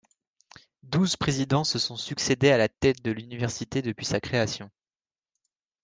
Douze présidents se sont succédé à la tête de l'université depuis sa création.